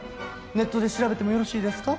ネットで調べてもよろしいですか？